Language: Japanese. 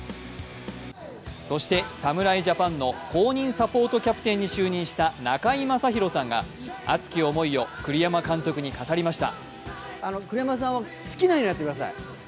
そして侍ジャパンの公認サポートキャプテンに就任した中居正広さんが、熱き思いを栗山監督に語りました。